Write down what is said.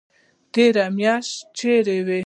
تېره میاشت چیرته وئ؟